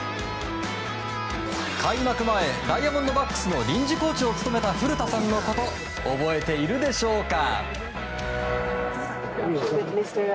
開幕前、ダイヤモンドバックスの臨時コーチを務めた古田さんのこと覚えているでしょうか。